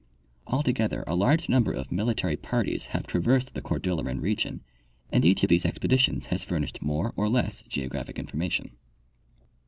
Altogether a large number of military parties have traversed the Cordilleran region and each of these expeditions has furnished more or less geographic information.